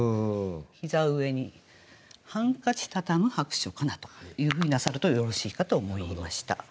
「膝上にハンカチたたむ薄暑かな」というふうになさるとよろしいかと思いました。